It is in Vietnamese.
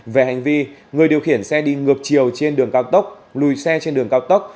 về hành vi người điều khiển xe đi ngược chiều trên đường cao tốc lùi xe trên đường cao tốc